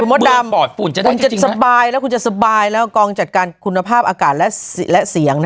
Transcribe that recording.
คุณปอดฝุ่นคุณหมดดำคุณจะสบายแล้วกองจัดการคุณภาพอากาศและเสียง